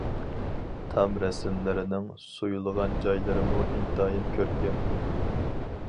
تام رەسىملىرىنىڭ سۇيۇلغان جايلىرىمۇ ئىنتايىن كۆركەم.